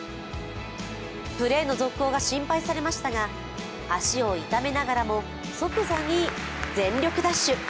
プレーの続行が心配されましたが、足を痛めながらも即座に全力ダッシュ。